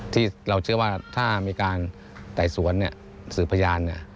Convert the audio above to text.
ที่เราเชื่อว่าถ้ามีการไต่สวนสืบพยาน